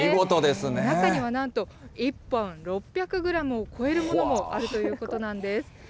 中にはなんと１本６００グラムを超えるものもあるということなんです。